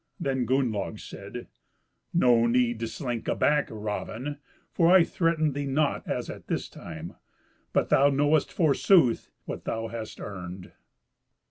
Then Gunnlaug said, "No need to slink aback, Raven, for I threaten thee nought as at this time; but thou knowest forsooth, what thou hast earned.".